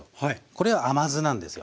これは甘酢なんですよ。